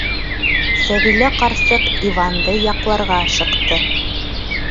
Сәбилә ҡарсыҡ Иванды яҡларға ашыҡты.